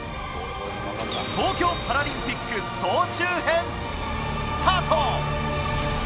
東京パラリンピック総集編、スタート！